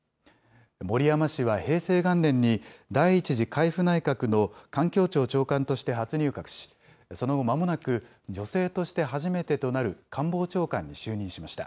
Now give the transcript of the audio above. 森山氏は平成元年に第１次海部内閣の環境庁長官として初入閣し、その後まもなく、女性として初めてとなる官房長官に就任しました。